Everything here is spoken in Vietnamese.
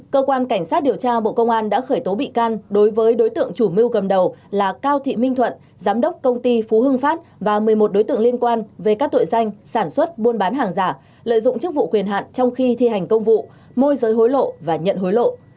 cơ quan cảnh sát điều tra bộ công an đã khởi tố bị can đối với đối tượng chủ mưu cầm đầu là cao thị minh thuận giám đốc công ty phú hưng phát và một mươi một đối tượng liên quan về các tội danh sản xuất buôn bán hàng giả lợi dụng chức vụ quyền hạn trong khi thi hành công vụ môi giới hối lộ và nhận hối lộ